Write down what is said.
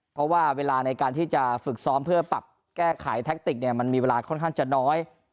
เพราะว่าเวลาในการที่จะฝึกซ้อมเพื่อปรับแก้ไขแท็กติกมันมีเวลาค่อนข้างจะน้อย